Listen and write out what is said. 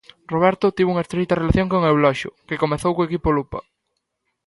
Roberto tivo unha estreita relación con Euloxio, que comezou co equipo Lupa.